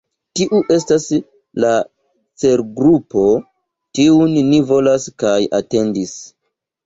Tiu estas la celgrupo, tiun ni volas kaj atendis.